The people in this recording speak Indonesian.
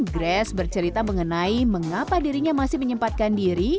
grace bercerita mengenai mengapa dirinya masih menyempatkan diri